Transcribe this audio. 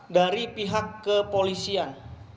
dari pihak kepolisian